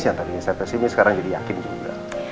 yang tadi ini saya pesimis sekarang jadi yakin juga